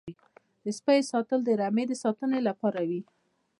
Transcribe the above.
د سپیو ساتل د رمې د ساتنې لپاره وي.